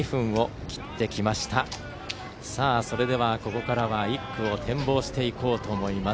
それでは、ここからは１区を展望していこうと思います。